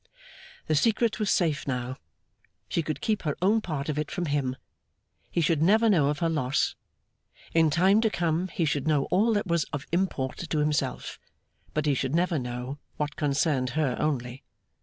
The secret was safe now! She could keep her own part of it from him; he should never know of her loss; in time to come he should know all that was of import to himself; but he should never know what concerned her only.